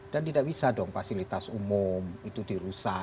dan tidak bisa dong fasilitas umum itu dirusak